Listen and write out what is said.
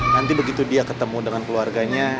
nanti begitu dia ketemu dengan keluarganya